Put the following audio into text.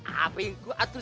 apa yang gue atur